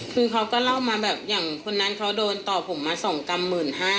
คือเขาก็เล่ามาแบบอย่างคนนั้นเขาโดนต่อผมมา๒กรัม๑๕๐๐